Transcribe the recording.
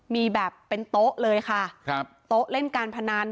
มีแบบเป็นโต๊ะเลยค่ะโต๊ะเล่นการพนันสองตัว